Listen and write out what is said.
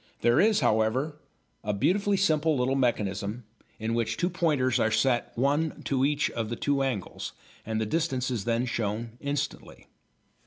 There is, however, a beautifully simple little mechanism in which two pointers are set one to each of the two angles, and the distance is then shown instantly.